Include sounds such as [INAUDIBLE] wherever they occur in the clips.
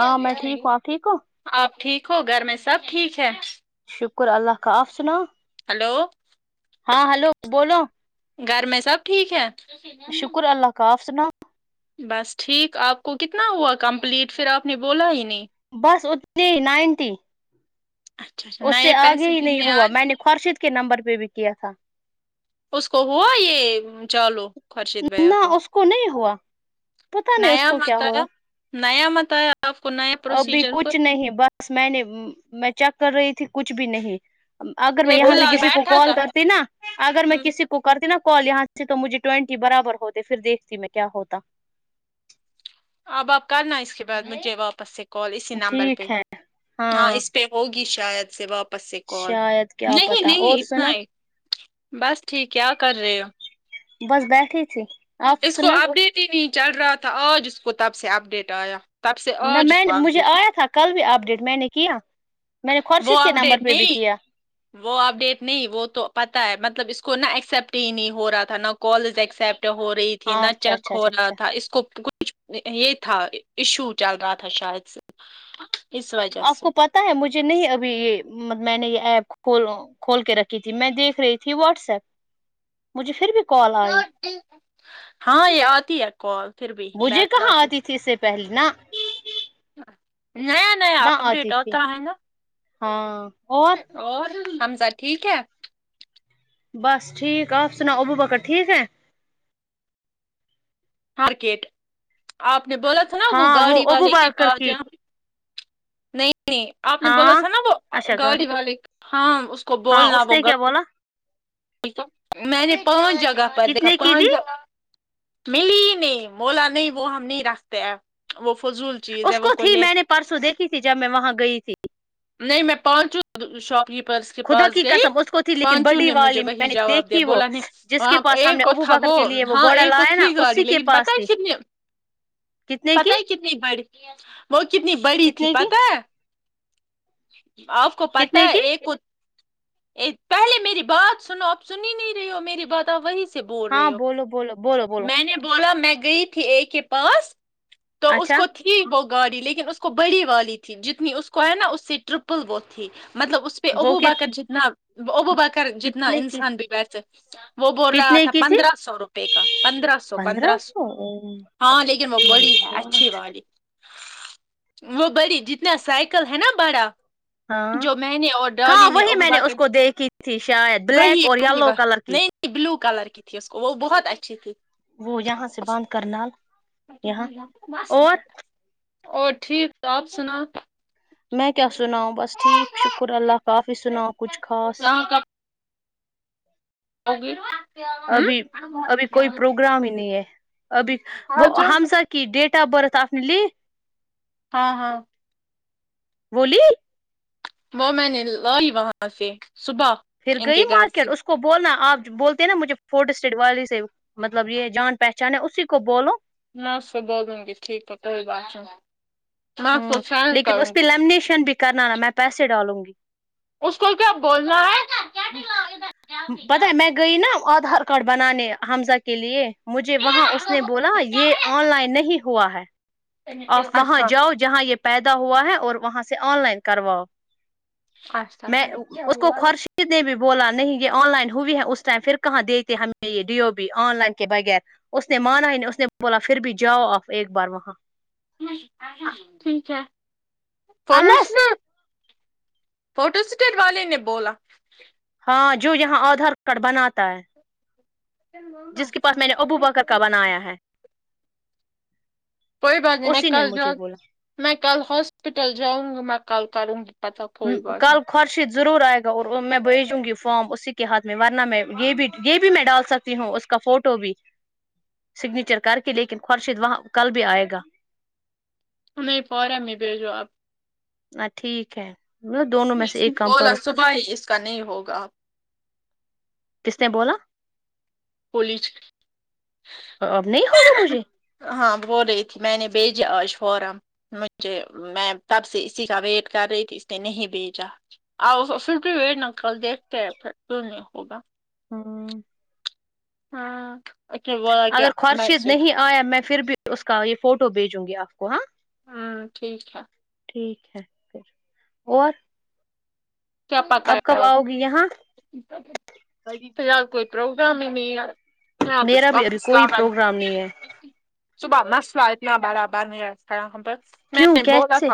ہاں میں ٹھیک ہوں آپ ٹھیک ہو آپ ٹھیک ہو گھر میں سب ٹھیک ہے شکر اللہ کا آپ سنا ہلو ہاں ہیلو بولو گھر میں سب ٹھیک ہے شکر اللہ کا آپ سناؤ بس ٹھیک آپ کو کتنا ہوا کمپلیٹ پھر آپ نے بولا ہی نہیں بس اتنی ہی نائنٹی اچھا اچھا اس نئے سے آگے پیسے ہی نہیں کتنے ہوا آئے میں نے خورشد کے نمبر پہ بھی کیا تھا اس کو ہوا یہ چالو خرشید بھیا نہ کو اس نہیں ہوا پتا نہیں اس نیا کو کیا متا ہوا نیا متا آپ کو نیا ابھی پروسیجر کو کچھ نہیں بس میں نے میں چیک کر رہی تھی کچھ بھی نہیں اگر میں ایک فی یہاں سے الحال کسی کو بیٹھا کال تھا کرتی نا اگر میں کسی کو کرتی نا کال یہاں سے تو مجھے ٹوینٹی برابر ہوتے پھر دیکھتی میں کیا ہوتا اب آپ کرنا اس کے بعد مجھے واپس سے کال اسی نمبر پہ ٹھیک ہے ہاں اس پ ہوگی شاید سے واپس سے کال شاید کیا نہیں پتا اور نہیں سنا اتنا ہی بس ٹھیک کیا کر رہے ہو بس بیٹھی تھی آپ اس کو سنا اپڈیٹ ہی نہیں چل رہا تھا آج اس کو تب سے اپڈیٹ آیا تب سے نہ آج اس میں کو مجھے اپڈیٹ آیا تھا کل بھی اپ ڈیٹ میں نے کیا میں نے وہ خورشید کے نمبر اپڈیٹ پہ بھی نہیں کیا وہ اپڈیٹ نہیں وہ تو پتا ہے مطلب اس کو نہ ایکسیپٹ ہی نہیں ہو رہا تھا نہ کالز ایکسپٹ ہو رہیھی تھی نہ اچھا چیک اچھا ہو اچھا رہا اچھا تھا تھا اس کو کچھ یہ تھا ایشو چل رہا تھا شاید سے اسس وجہ ست تا ہے مجھے نہیں ابھی یہ میں نے یہ ایپ کول کھول کے رکھی تھی میں دیکھ رہی تھی واٹس ایپ مجھے پھر بھی کال آئی ہاں یہ آتی ہے کال پھر بھی بی آتی پہلن [INAUDIBLE] نہ اپڈیٹ آتی تھی ہوتا ہے نا ہاں اور اور حمزہ ٹھیک ہے بس ٹھیک آپ سناؤ ابو بکر ٹھیک ہے مارکیٹ آپ نے بولا تھا نا وہ ہاں گاڑی ابو والے کے بکر پاس کی جا نہیں نہیں آپ نے بولا ہاں تھا نا وہ اچھا گڑ گاڑی والک ہاں اس کو ہاں بولنا اس وہ نے کیا بولا میں نے پانچ جگہ پر دکھا کتنے کی پانچ دی جگ ملی نہیں بولا نہیں وہ ہم نہیں رکھتے ہیں وہ فضول چیز ہے اس کو وہ تھی لے میں نے پرسوں دیکھی تھی جب میں وہاں گئی تھی نہیں میں پانچو شاپکیپرس کے خدا پاس کی گئی قسم اس کو تھی لیکن پانچوں بڑی نے والی ہی میں نے جواب دیا دیکھی وہ بولا نے جس کے وہاں پاس ہم ایک نے کو ابو تھا بکر وہ کے لیے ہاں گھوڑا ایک کو لایا نا تھی گاڑی اسی کے لیکن پاس پتا ہے تھی کتنے کتنے پت کی ہے کتنی بڑی وہ کتنی بڑی تھی کتنے کی پتا آپ کو کتنے پتا ہے کی ایک ا پہلے میری بات سنو آپ سنی نہیں رہے ہو میری بات آپ وہی سے سے بول ہاں رہے ہو بولو بولو بولو بولو میں نے بولا میں گئی تھی اے کے پاس تو اس اچھا کو تھی وہ گاڑی لیکن اس کو بڑی والی تھی جتنی اس کو ہے نا اس سے ٹرپل وہ تھی مطلب اس پ وہ ابو بکر جتنا ابو بکر جتنا ا کتنے کی انسان بھی بیس وہ بول رہا کتنے تھا کی تھی پندرہ سو روپے کا پندرہ سو پندرہ سو ہاں لیکن وہ بڑی ہے اچھی والی وہ بڑی جتنا سائیکل ہے نا بڑا جو میں نے اور ڈرلی نے ابو بکر دیک کی تھی شاید وہی بلیک اور وہی یلو و کلر کی نہیں نہیں بلیو کلر کی تھی اس کو وہ بہت اچھی تھی وہ یہاں سے بند کرناال یہاں اور اور ٹھیک آپ سنا میں کیا سناؤ بس ٹھیک شکر اللہ کافی سناؤ کچھ خاص یہاں کب [INAUDIBLE] ابھی ابھی کوئی پروگرام ہی ابھی وہ آجاؤ ہم سا کی ڈیٹ آف برت آنے لی ہاں ہاں بولی وہ میں نے لائی وہاں سے صبح پھر ان گئی کے گھر سے مارکیٹ اس کو بولنا آپ بولتے نا مجھے فورٹ اسٹٹ والی سے مطلب یہ جان پہچان ہے اسی کو بولو ہاں اس سے بول دوں گی ٹھیک ہے کوئی بات نہیں میں اس ہمم کو سینڈ لیکن کروں اس پہ گی لیمنیشن بھی کرنا نا میں پیسے ڈالوں گی اس کو کیا بولنا ہے پتہ ہے میں گئی نا آدھار کارڈ بنانے حمزہ کے لیے مجھے وہاں اس نے بولا یہ آن لائن نہیں ہوا ہے آپ ہے وہاں اچھا جاؤ جہاں یہ پیدا ہوا ہے اور وہاں سے آن لائن کرواؤ اچھا میں اس کو خورشید نے بھی بولا نہیں یہ آن لائن ہوئی ہے اس ٹائم پھر کہاں دیتے ہمیں یہ ڈیو بی آن لائن کے بغیر اس نے مانا ہی نہیں اس نے بولا پھر بھی جاؤ آپ ایک بار وہاں انس [UNINTELLIGIBLE] فوٹو سٹی والے نے بولا ہاں جو یہاں آدھار کارڈ بناتا ہے جس کے اچھا پاس میں نے ابو بکر کا بنایا ہے کوئی بات نہیں م اسی نے کل مجھے جاؤ بولا میں کل ہاسپٹل جاؤں گ م میں کالل کروں گ کل خورشید ضرور آئے گا اور میں بھیجوں گی فام اسی کے ہاتھ میں ورنہ میں یہ بھی یہ بھی میں ڈال سکتا ہوں اس کا فوٹو بھی سگنیچر کر کے لیکن خورشید وہاں کل بھی آئے گا نہیں فورم میں بھیجو آپ نہ ٹھیک ہے مطلب دونوں میں سے ایک کام بولا کرو صبح ہی اس کا نہیں ہوگا آپ کس نے بولا کالج اب نہیں ہوگا مجھے ہاں بولرہی تھی مینے بھیجا آج فارم مجھے میں تب سے اسی کا ویٹ کر رہی تھی اس نے نہیں بھیجا آ پھر بھی و نا کل دیکتے ہیں پھر کیوں نہیں ہوگا ہاں ہاں ہ میں پھر بھی اس کا یہ فوٹو بھیجوں گی آپ کو ہاں ہوں ٹھیک ہے ٹھیک ہے پھر اور کیا اب کب پکایا آج آؤ گی یہاں فی الحال روزا بھی نہیں ہے میرا بھی ابھی کوئی پروگرام نہیں ہے کیوں کیسے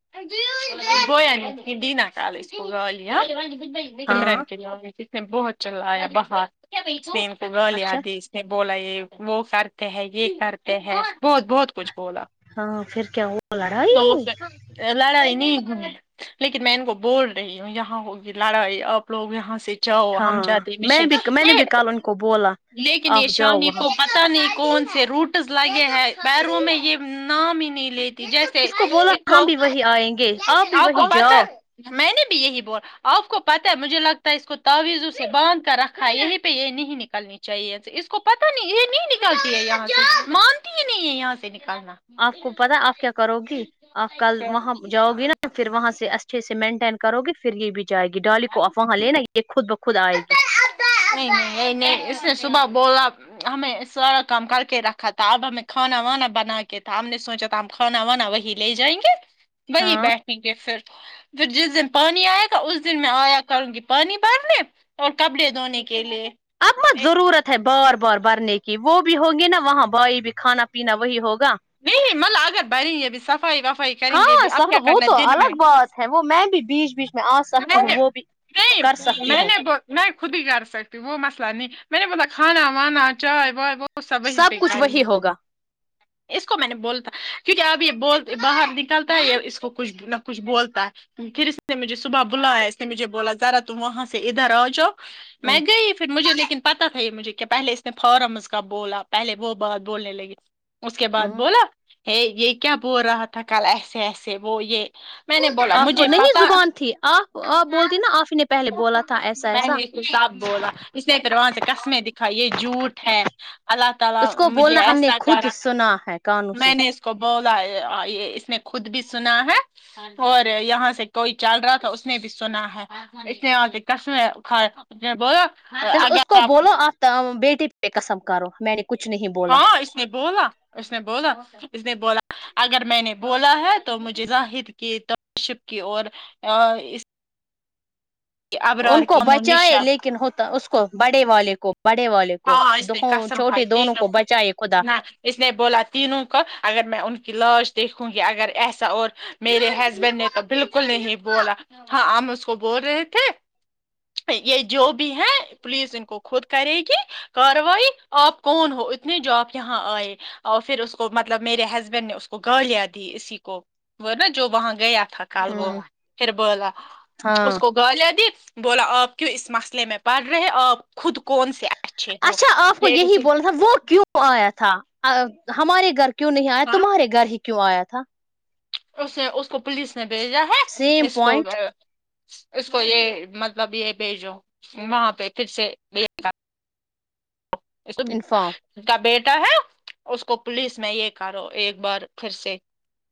[UNINTELLIGIBLE] [UNINTELLIGIBLE] سمرن ہاں کے جس نے بہت چللایا بہار اسپین کو گال اچھا آدیش بولا یہ وہ کرتے ہیں یہ کرتے ہیں بہت بہت کچھ بولا ہاں پھر کیا ہوا لڑائی تو ہوئی پھر لڑائی نہیں لیکن میں گو بول رہی ہوں یہاں ہوگ لڑائی اب لوگ یہاں سے جاؤ ہاں ہم جاتے میں بھی میں نے بھی مشین کل ان کو بولا لیکن آپ یہ جاؤ وہاں پتہ نہیں کون سے روٹس لگے ہیں پیروں میں یہ نام ہی نہیں لیتے جیسے اس کو بولا ایکو ہم بھی وہی آئیں گے بھی آپ کو وہی پتا جاؤ ہے میں نے بھی یہی بولا آپ کو پتہ ہے مجھے لگتا ہے اس کو تاویزوں سے باندھ کر رکھا ہے یہیں پہ یہ نہیں نکلنی چاہیے اس کو پتا نہیں یہ نہیں نکلتی ہے یہاں سے مانتی ہی نہیں ہے یہاں سے نکلنا آپ کو پتا آپ کیا کرو گی آپ کل وہاں جاؤ گی نا پھر وہاں سے اچھے سے مینٹین کرو گے پھر یہ بھی جائے گی ڈالی کو افواہ لینا یہ خود بخود آئے گی نہیں نہیں نہیں نہیں اس نے صبح بولا ہمیں سارا کام کر کے رکھا تھا اب ہمیں کھانا وانا بنا کے تھا ہم نے سوچا ہم کھانا وانا وہی لے جائیں گے وہی ہاں بیٹھیں گے پھر تو پھر جس دن پانی آئے گا اس دن میں آیا کروں گی پانی بھرنے اور کپڑے دونے کے لیے اب مت ضرورت ہے بار بار بھرنے کی وہ بھی ہوں گی نا وہاں بھائی بھی کھانا پینا وہی ہوگا نہیں مل اکر بیٹھ گئی ابھی صفائی وفائی کریں گے ہاں بھی اب سفا کیا وہ کرنا ہے تو دن الگ میں بات ہے وہ میں بھی بیچ بیچ میں آ سکتی میں ہوں نے وہ بھی نہیں کر سکتی میں ہوں نے بو میں خود ہی کر سکتی ہوں وہ مسئلہ نہیں میں نے مطب کھانا وانا چائے وائے وہ سب ہی کچھ پےکاری وہی ہوگا اس کو میں نے بولتا کیونکہ اب یہ بول باہر نکلتا ہے اس کو کچھ نہ کچھ بولتا ہے پھر اس نے مجھے صبح بلایا اس نے مجھے بولا ذرا تم وہاں سے ادھر آ جاؤ ہ میں گئی پھر مجھے لیکن پتا تھا یہ مجھے کہ پہلے اس نے فارمز کا بولا پہلے وہ بات بولنے لگی اس کے بعد ہ بولا ہے یہ کیا بول رہا تھا کل ایسے ایسے وہ یہ میں نے بولا آپ کو مجھے نہیں پتا زبان تھی آپ آپ بولتی نا آپ ہی نے پہلے بولا تھا ایسا ایسا سب بولا اسے پھر وہاں سے قسمے دکھای یہ جھوٹ ہے اللہ اس کو مجھے بولنا ہم نے ایسا خود کرا سنا ہے کانوں سے میں نے کو بولا اس نے خود بھی سنا ہے اور یہاں سے کوئی چل رہا تھا اس نے بھی سنا ہے اس ابی قسمے کھایا اس نے بولا اگر اپ تو بیٹی پہ قسم کارو میں نے کچ نہیں بول ہاں اس نے بولا اس نے بولا اس نے بولا اگر میں نے بولا ہے تو مجھے زاہد کی کاشف کی اور اآ اس کی ان ابرار کو کی بچائے لیکن ہوتا اس کو بڑے والے کو بڑے والے کو ہاں کو اس نے دوں قسم چھوٹے کھائی دونوں تینوں کو پر۔ بچائے خدا نہ اس نے بولا تینوں کا اگر میں ان کی لاش دیکھوں گی اگر ایسا اور میرے ہسبینڈ نے تو بالکل نہیں بولا ہاں ہم اس کو بول رہے تھے یہ جو بھی ہے پولیز ان کو خود کرے گی کاروائی آپ کون ہو اتنے جو اپ یہاں آئے اور پھر اس کو مطلب میرے ہسبینڈ نے اس کو گالیاں دی اسی کو وہ نا جو وہاں گیا تھا کل وہ ہوں پھر بولا اس ہاں کو گالیا دی بولا آپ کیوں اس مسئلے میں پڑ رہے آپ خود کون سے اچھے ہو اچھا آپ کو یہ یہی اسے بولنا تھا وہ کیوں آیا تھا ہمارے گھر کیوں نہیں آیا ہاں تمہارے گھر ہی کیوں آیا تھا اس اس کو پولیس نے بھیجا ہے سیم اس کو پوائنٹ اس کو یہ مطلب یہ بھیجو وہاں پہ پھر سے یہ سب انفارم ان کا بیٹا ہے اس کو پلیس میں یہ کرو ایک بار پھر سے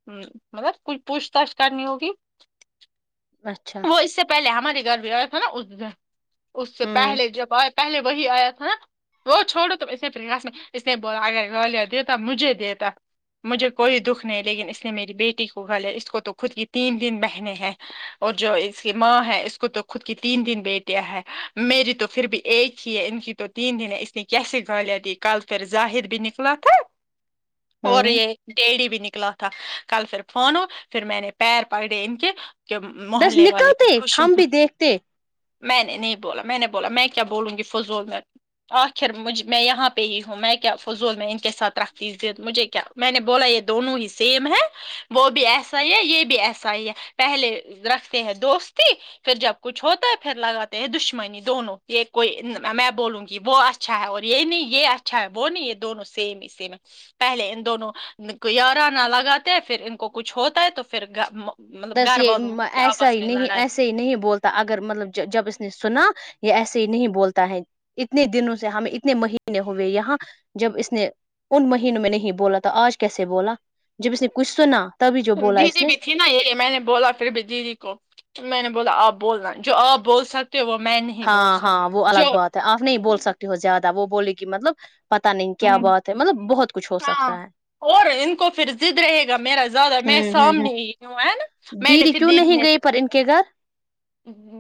ہوں مطلب کچھ پوچھ تاچھ کرنی ہوگی اچھا وہ اس سے پہلے ہمارے گھر بھی آیا تھا نا اس نے اس سے ہوں پہلے جب آیا پہلے وہی آیا تھا نا وہ چھوڑو تو اس نے میں اس نے بولا اگر گالیا ں دیتا مجھے دیتا مجھے کوئی دکھ نہیں لیکن اس نے میری بیٹی کو گالیاں ہے اس کو تو خود کی تین دن بہنے ہے اور جو اس کی ماں ہے اس کو تو خود کی تین تین بیٹیاں ہے میری تو پھر بھی ایک ہی ہے ان کی تو تین تین اس لیے کیسے کہ لیا کہ کل پھرظاہر بھی نکلا تھا اور ہوں یہ ڈیڑی بھی نکلا تھا کل پھر فورا پھر میں نے پیر پکڑے ان کے کہ بس محلے والے پھر نکلتے خوش ہو ہم بھی دیکھتے میں نے نہیں بولا میں نے بولا میں کیا بولوں گی فضول میں آخر مجھ میں یہاں پہ ہی ہوں میں کیا فضول میں ا ان کے ساتھ رہتی پھر مجھے کیا میں نے بولا یہ دونوں ہی سیم ہے وہ بھی ایسا ہی ہے یہ بھی ایسا ہی ہے پہلے رکھتے ہیں دوستی پھر جب کچھ ہوتا ہے پھر لگاتے ہیں دشمنی دونوں یہ کوئی میں بولوں گی وہ اچھا ہے اور یہ نہیں یہ اچھا ہے وہ نہیں یہ دونوں سیم ہی سیم ہے پہلے ان دونوں کو یارانا لگاتے پھر ان کو کچھ ہوتا ت ہے تو پھر مطلب بس گھر یہ والوں م- ایسا آپس ہی میں نہیں لڑائی ایسا آہستے نہیں بولتا اگر مطلب جب اس نے سنا یہ ایسے ہی نہیں بولتا ہے اتنے دنوں سے ہمیں اتنے مہینے ہوئے یہاں جب اس نے ان مہینوں میں نہیں بولا تھا آج کیسے بولا جب اس نے کچھ سنا تبھی جو بولا جی اس جی نے بھی تھی نہیں یہ میں نے بولا پھر بھی دیدی کو میں نے بولا آپ بولنا جو آپ بول سکتے تے وہ میں نے ہاں ہاں وہ الگ بات ہے آپ نہیں بول سکتی ہو زیادہ وہ بولے گی مطلب پتا نہیں کیا ہوں، بات ہے مطلب بہت کچھ ہو ہاں سکتا ہے اور ان کو پھر ضد رہے گا میرا زیادہ میں ہے ہوں ہوں سامنے ہی ہوں ہے نا میں نے دیدی پھر کیوں دیدی نہیں نے گئی پر ان کے گھر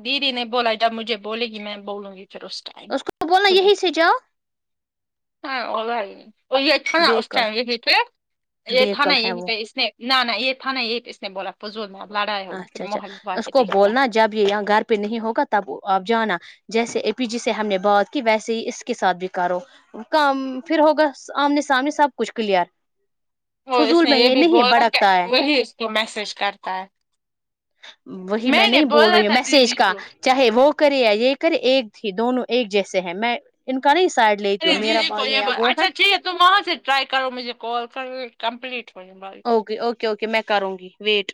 دیدی نے بولا جب مجھے بولے گی میں بولوں گی پھر اس ٹائم اس کو بولا خود ہی یہی سے جاؤ ہاں ادھر یہ تھانا اس بےکل ٹائم یہی پہ یہ بےکل تھانا ہے یہی وہ پہ اس نے نہ نہ یہ تھا نا یہ اس نے بولا فضول میں لڑائیاں اچھا اچھا محلے وا اس لے‌ کو دیکھتے ہے بولنا جب یہ یہاں گھر پہ نہیں ہوگا تب وہ آب جانا جیسے اے پی جی سے ہم نے بات کی ویسے ہی اس کے ساتھ بھی کرو کام پھر ہوگا آمنے سامنے سب کچھ کلیئر تو اس فضول نے میں یہ بھی نہیں بولا کہ بھڑکتا ہے وہی اس کو میسج کرتا ہے وہی میں نے نہیں بول بولا رہی ہوں تھا میسج دیدی کا کو چاہے وہ کرے یا یہ کرے ایک تھی دونوں ایک جیسے ہیں میں ان کا نہیں سائڈ لے ارے جی جی اچھا ٹھیک ہے تم وہاں سے ٹرائی کرو مجھے کال کمپلیٹ ہونے والی اوکے اوکے اوکے میں کروں گی ویٹ